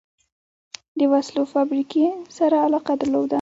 د وسلو فابریکې سره علاقه درلوده.